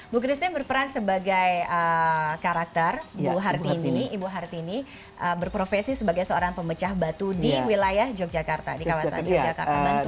bu christine berperan sebagai karakter ibu hartini berprofesi sebagai seorang pemecah batu di wilayah yogyakarta di kawasan yogyakarta